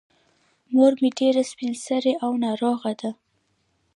مور مې ډېره سبین سرې او ناروغه ده.